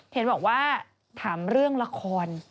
เห็นบอกว่าถามเรื่องละคร